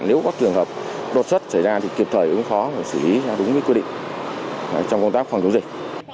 trong các trường hợp đột xuất xảy ra thì kịp thời cũng khó xử lý đúng quy định trong công tác phòng chống dịch